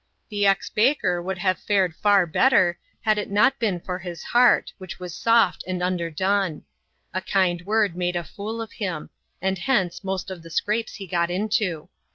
The ex baker would have fared far better, had it not beeu for his heart, which was soft and underdone. A kind word made a fool of him ; and hence most of the scrapes he got into.